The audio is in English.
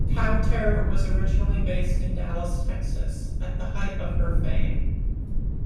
Powter was originally based in Dallas, Texas at the height of her fame.